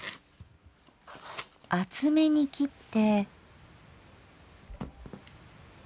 厚めに切って。